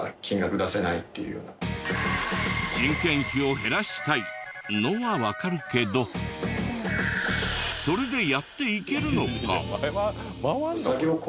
人件費を減らしたいのはわかるけどそれでやっていけるのか？